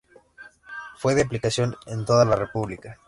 Fue de aplicación en toda la República.